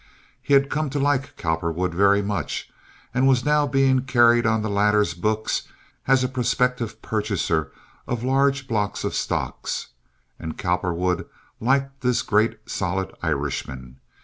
He had come to like Cowperwood very much and was now being carried on the latter's books as a prospective purchaser of large blocks of stocks. And Cowperwood liked this great solid Irishman.